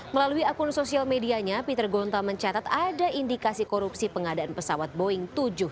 melalui akun sosial medianya peter gontal mencatat ada indikasi korupsi pengadaan pesawat boeing tujuh ratus tujuh puluh